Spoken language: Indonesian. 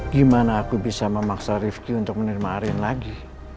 gimana aku bisa memaksa rifki untuk menerima arin lagi